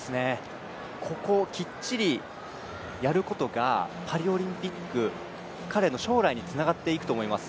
ここをきっちりやることがパリオリンピック、彼の将来につながっていくと思います。